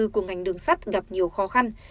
của ngành đường sắt gặp nhiều khó khăn